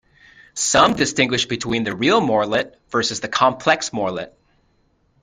Some distinguish between the "real Morlet" versus the "complex Morlet".